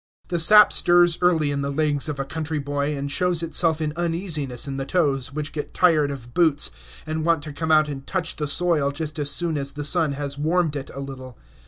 The sap stirs early in the legs of a country boy, and shows itself in uneasiness in the toes, which get tired of boots, and want to come out and touch the soil just as soon as the sun has warmed it a little.